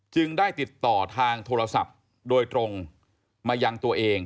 ได้ติดต่อทางโทรศัพท์โดยตรงมายังตัวเอง